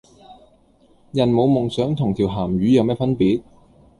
人冇夢想同條咸魚有咩分別?